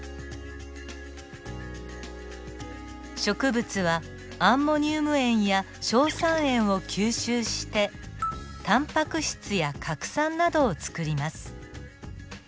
植物はアンモニウム塩や硝酸塩を吸収してタンパク質や核酸などをつくります。